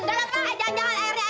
gak ada lagi